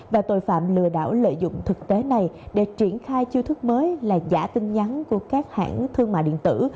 và tội phạm lừa đảo lợi dụng thực tế này để triển khai chiêu thức mới là giả tin nhắn của các hãng thương mại điện tử